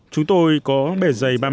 chúng tôi có bẻ dày bằng các hành trình